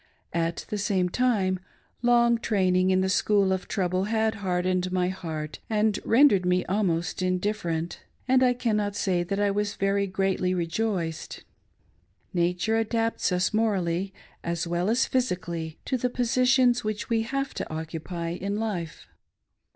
At the same time, long training in the school of trouble had hardened my heart and rendered me almost indif ferent, and I cannot say tha!t I very greatly rejoiced. Nature adapts us morally, as well as physically, to the positions Which we have to occupy in life.